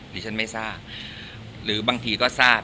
ดิฉันไม่ทราบหรือบางทีก็ทราบ